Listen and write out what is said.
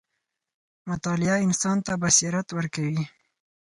• مطالعه انسان ته بصیرت ورکوي.